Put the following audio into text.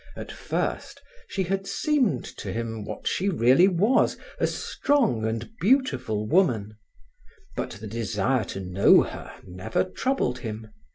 At first, she had seemed to him what she really was, a strong and beautiful woman, but the desire to know her never troubled him.